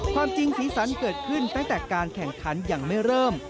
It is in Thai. ความจริงสีสันเกิดขึ้นตั้งแต่การแข่งขันยังไม่เริ่ม